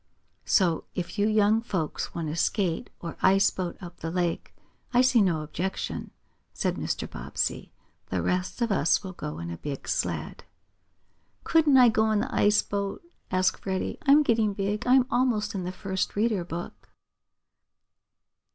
"So if you young folks want to skate or ice boat up the lake I see no objection," said Mr. Bobbsey. "The rest of us will go in a big sled." "Couldn't I go in the ice boat?" asked Freddie. "I'm getting big. I'm almost in the first reader book."